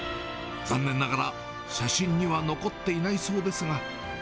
残念ながら写真には残っていないそうですが。